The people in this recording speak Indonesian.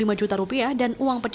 dan uang pecahannya di dalam penjara